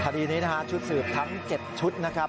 ทัศจริงทัศน์อัศวินิปนี้นะฮะชุดสืบทั้ง๗ชุดนะครับ